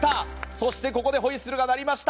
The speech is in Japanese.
そしてここでホイッスルが鳴りました。